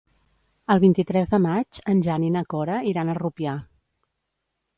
El vint-i-tres de maig en Jan i na Cora iran a Rupià.